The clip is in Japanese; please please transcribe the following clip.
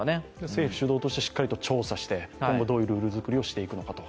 政府主導でしっかりと調査して、今後どういう調査をしていくか。